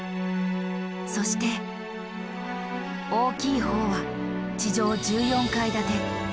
そして大きい方は地上１４階建て。